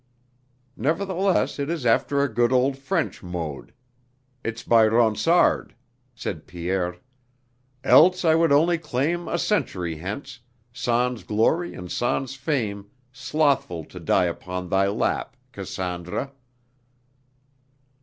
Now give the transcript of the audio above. "Nevertheless it is after a good old French mode. It's by Ronsard," said Pierre: "...else I would only claim A century hence, sans glory and sans fame Slothful to die upon thy lap, Cassandra...."